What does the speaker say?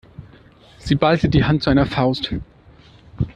Sie ballte die Hand zu einer Faust.